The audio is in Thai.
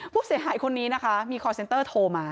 ผู้เสียหายคนนี้นะคะมีคอร์เซ็นเตอร์โทรมา